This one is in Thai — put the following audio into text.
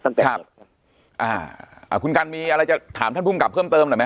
ครับอ่าอ่าคุณกันมีอะไรจะถามท่านภูมิกับเพิ่มเติมหน่อยไหม